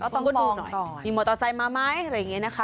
ต้องมองมีมอเตอร์ไซค์มาไหมอะไรอย่างนี้นะคะ